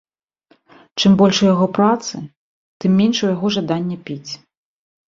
Чым больш у яго працы, тым менш у яго жадання піць.